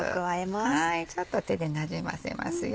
ちょっと手でなじませますよ。